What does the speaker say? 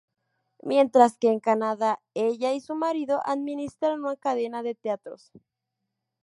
Mientras que en Canadá, ella y su marido administran una cadena de teatros.